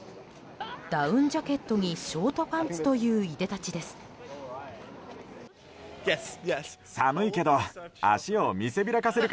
ダウンジャケットにショートパンツといういでたちです。